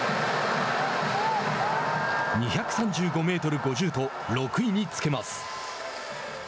２３５メートル５０と６位につけます。